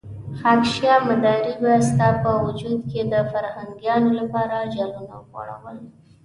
خاکيشاه مداري به ستا په وجود کې د فرهنګيانو لپاره جالونه غوړول.